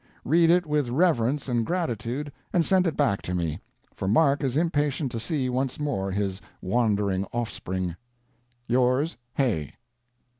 Read it with reverence and gratitude and send it back to me; for Mark is impatient to see once more his wandering offspring. Yours, Hay.